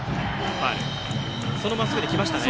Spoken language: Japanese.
そのまっすぐで来ましたね。